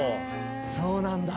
そうなんだ。